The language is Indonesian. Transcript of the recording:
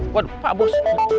waduh pak bos